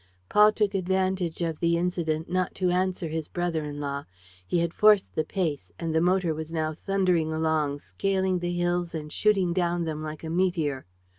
Paul took advantage of the incident not to answer his brother in law. He had forced the pace; and the motor was now thundering along, scaling the hills and shooting down them like a meteor.